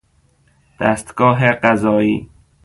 دستگاه قضایی